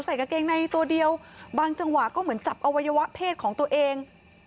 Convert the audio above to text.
ใส่กางเกงในตัวเดียวบางจังหวะก็เหมือนจับอวัยวะเพศของตัวเอง